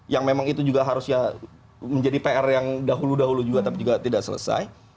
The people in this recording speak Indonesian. yang memang itu juga harus ya